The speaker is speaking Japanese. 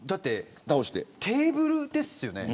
テーブルですよね。